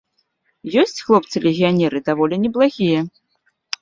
Ёсць хлопцы-легіянеры даволі неблагія.